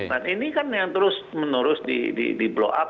nah ini kan yang terus menerus di blow up